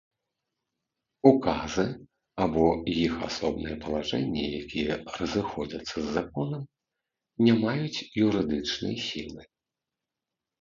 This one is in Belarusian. Указы або іх асобныя палажэнні, якія разыходзяцца з законам, не маюць юрыдычнай сілы.